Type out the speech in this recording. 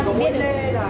giống nhẹt thôi